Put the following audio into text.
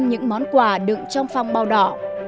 những món quà đựng trong phong bào đỏ